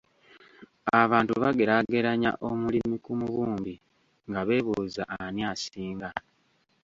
"Abantu bageraageranya omulimi ku mubumbi, nga beebuuza ani asinga."